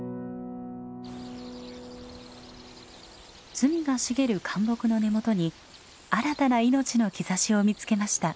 ズミが茂る灌木の根元に新たな命の兆しを見つけました。